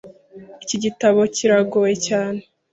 Iki gitabo kirangoye cyane.